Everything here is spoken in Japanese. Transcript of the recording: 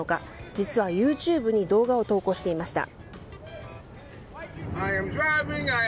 実はＹｏｕＴｕｂｅに動画を投稿していました。